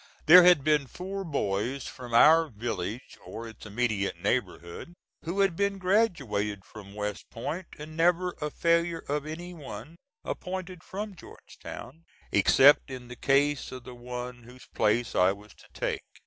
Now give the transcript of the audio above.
There had been four boys from our village, or its immediate neighborhood, who had been graduated from West Point, and never a failure of any one appointed from Georgetown, except in the case of the one whose place I was to take.